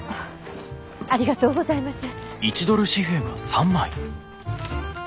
ありがとうございます。